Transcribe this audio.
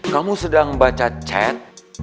kamu sedang baca chat